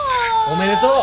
おめでとう！